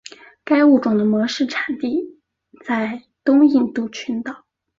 该物种的模式产地在东印度群岛。